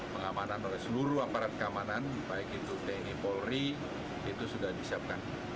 pengamanan oleh seluruh aparat keamanan baik itu tni polri itu sudah disiapkan